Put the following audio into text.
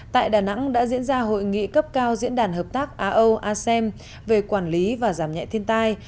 tại đà nẵng đã diễn ra hội nghị cấp cao diễn đàn hợp tác a âu a sem về quản lý và giảm nhạy thiên tai